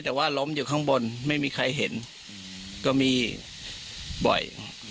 แต่ว่าล้มอยู่ข้างบนไม่มีใครเห็นก็มีบ่อย